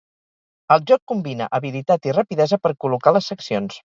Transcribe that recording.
El joc combina habilitat i rapidesa per col·locar les seccions.